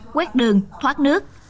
quét đường thoát nước